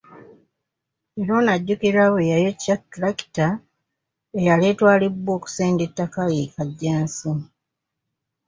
Era ono ajjukirwa bweyayokya tulakita eyali etwalibbwa okusenda ettaka lye e Kajjansi.